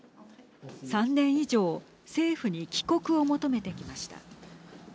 ３年以上政府に帰国を求めてきました。